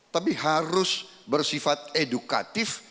tapi harus bersifat edukatif